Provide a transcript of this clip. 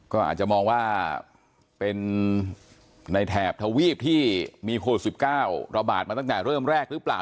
ก็อาจจะมองว่าเป็นในแถบทวีปที่มีโควิด๑๙ระบาดมาตั้งแต่เริ่มแรกหรือเปล่า